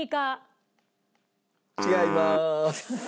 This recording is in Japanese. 違います。